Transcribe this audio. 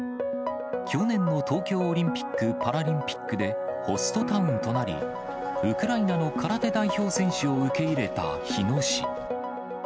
去年の東京オリンピック・パラリンピックでホストタウンとなり、ウクライナの空手代表選手を受け入れた日野市。